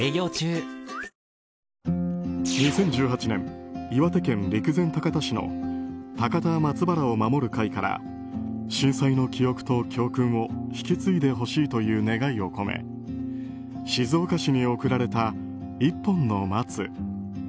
２０１８年岩手県陸前高田市の高田松原を守る会から震災の記憶と教訓を引き継いでほしいという願いを込め静岡市に贈られた１本の松。